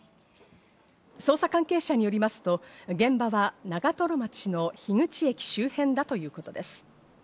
捜査関係者によりますと、現場は長瀞町の樋口駅周辺だということです。